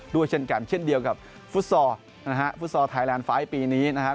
ด้วยเช่นกันเช่นเดียวกับฟุตซอร์ฟุตซอร์ไทยแลนด์ไฟล์ต์ปีนี้นะครับ